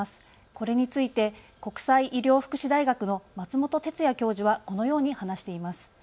これについて国際医療福祉大学の松本哲哉教授はこのように話しています。